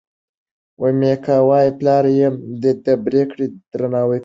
میکا وايي پلار یې د پرېکړې درناوی کوي.